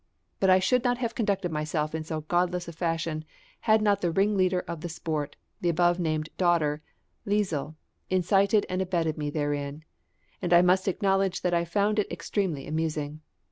But I should not have conducted myself in so godless a fashion had not the ringleader of the sport, the above named daughter, Liesel, incited and abetted me therein; and I must acknowledge that I found it extremely amusing.